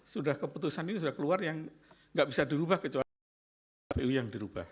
sudah keputusan ini sudah keluar yang nggak bisa dirubah kecuali kpu yang dirubah